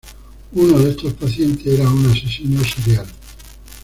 Uno de estos pacientes, era un asesino serial.